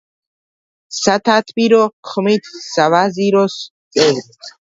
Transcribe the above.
სათათბირო ხმით სავაზიროს წევრი.